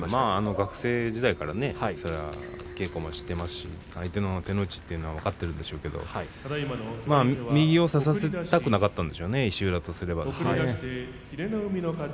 学生時代から稽古をしていますし、相手の手の内は分かってるんでしょうけれど右を差させたくなかったんですよね、石浦とすれば。